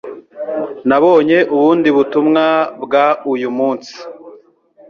Nabonye ubundi butumwa bwa uyu munsi